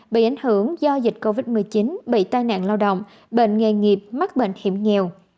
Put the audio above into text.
bị ảnh hưởng do dịch covid một mươi chín bị tai nạn lao động bệnh nghề nghiệp mắc bệnh hiểm nghèo